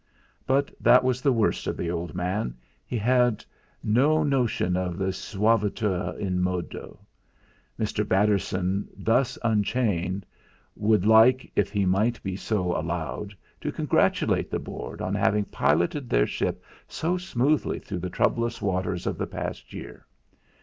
But that was the worst of the old man, he had no notion of the suaviter in modo! Mr. Batterson thus unchained would like, if he might be so allowed, to congratulate the Board on having piloted their ship so smoothly through the troublous waters of the past year.